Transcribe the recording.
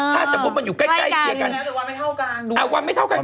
ถ้าสมมุติมันอยู่ใกล้กันใกล้หรือว่าไม่เท่ากัน